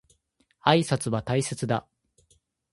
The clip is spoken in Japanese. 挨拶は大切だ。